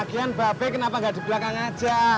makian bebe kenapa gak duduk belakang aja